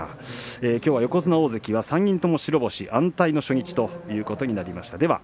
横綱大関が３人とも白星安泰の初日ということになりました。